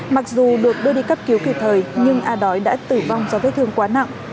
mặc dù được đưa đi cấp cứu kịp thời nhưng a đói đã tử vong do vết thương quá nặng